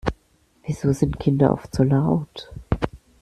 Wieso sind Kinder oft so laut?